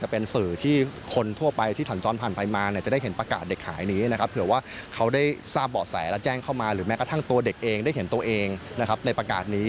เป็นความทุกข์อย่างสาหัสสาขาของคนเป็นแม่เนาะ